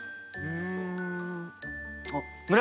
うん。